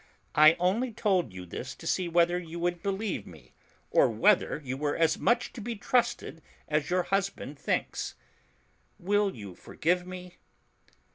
I only told you this to see whether you would believe me, or whether you were as much to be trusted as your husband thinks. Will you forgive me?"